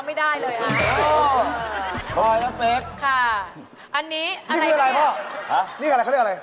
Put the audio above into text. อะไฟทำอะไรเขาไม่ได้เลย